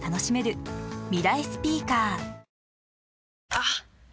あっ！